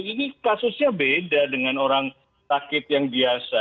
ini kasusnya beda dengan orang sakit yang biasa